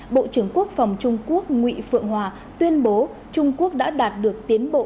bộ trưởng quốc phòng trung quốc nguyễn phượng hòa tuyên bố trung quốc đã đạt được tiến bộ